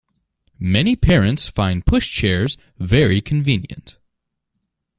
Many parents find pushchairs very convenient